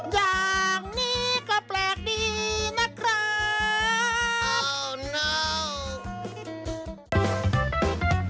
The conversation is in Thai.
อย่างนี้ก็แปลกดีนะครับ